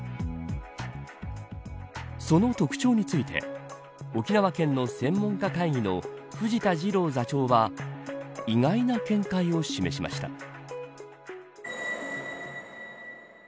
その特徴について沖縄県の専門家会議の藤田次郎座長は意外な見解を示しました。